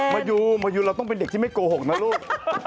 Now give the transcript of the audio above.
มายูมายูเราต้องเป็นเด็กที่ไม่โกหกนะลูก